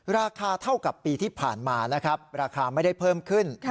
ราคาเท่ากับปีที่ผ่านมานะครับราคาไม่ได้เพิ่มขึ้น